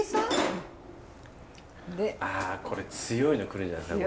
あこれ強いの来るんじゃないですか？